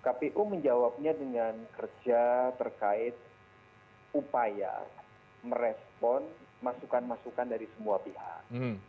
kpu menjawabnya dengan kerja terkait upaya merespon masukan masukan dari semua pihak